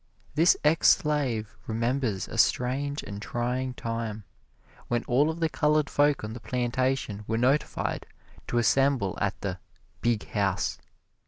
This ex slave remembers a strange and trying time, when all of the colored folk on the plantation were notified to assemble at the "big house."